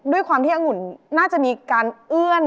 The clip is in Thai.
ด้วยความที่องุ่นน่าจะมีการเอื้อน